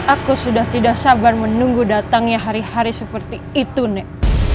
aku sudah tidak sabar menunggu datangnya hari hari seperti itu nek